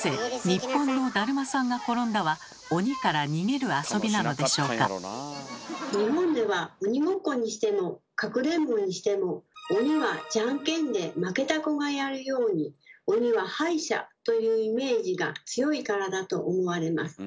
日本では「鬼ごっこ」にしても「かくれんぼ」にしても鬼はじゃんけんで負けた子がやるように「鬼は敗者」というイメージが強いからだと思われます。